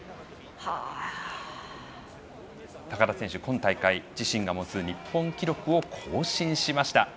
高田選手、今大会自身が持つ日本記録を更新しました。